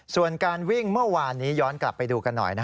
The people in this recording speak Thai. ส่วนการวิ่งเมื่อวานนี้ย้อนกลับไปดูกันหน่อย